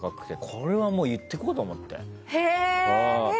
これはもう、行ってこうと思って。